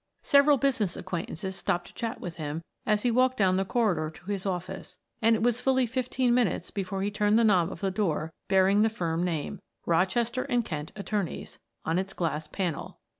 Several business acquaintances stopped to chat with him as he walked down the corridor to his office, and it was fully fifteen minutes before he turned the knob of the door bearing the firm name ROCHESTER AND KENT, ATTORNEYS on its glass panel.